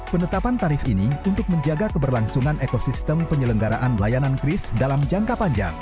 penetapan tarif ini untuk menjaga keberlangsungan ekosistem penyelenggaraan layanan kris dalam jangka panjang